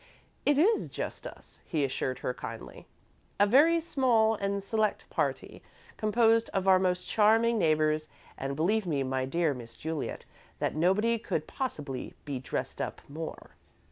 "It is 'just us,'" he assured her, kindly; "a very small and select party composed of our most charming neighbours, and believe me, my dear Miss Juliet, that nobody could possibly be 'dressed up more.'"